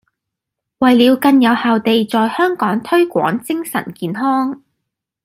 為了更有效地在香港推廣精神健康